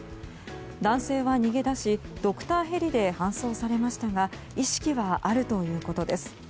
男性は逃げ出しドクターヘリで搬送されましたが意識はあるということです。